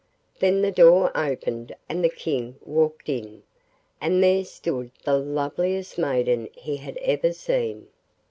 Then the door opened and the King walked in, and there stood the loveliest maiden he had ever seen.